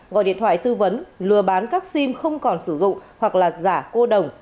gọi điện thoại tư vấn lừa bán các sim không còn sử dụng hoặc là giả cô đồng